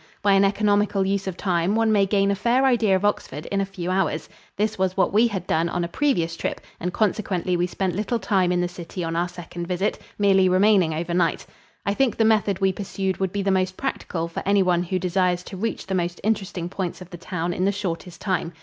By an economical use of time, one may gain a fair idea of Oxford in a few hours. This was what we had done on a previous trip and consequently we spent little time in the city on our second visit, merely remaining over night. I think the method we pursued would be the most practical for anyone who desires to reach the most interesting points of the town in the shortest time.